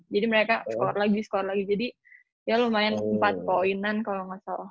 jadi mereka score lagi score lagi jadi ya lumayan empat poinan kalo gak salah